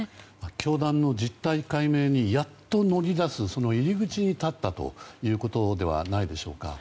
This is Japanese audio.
教団の実態解明にやっと乗り出す、その入り口に立ったということではないでしょうか。